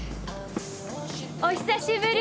お久しぶり！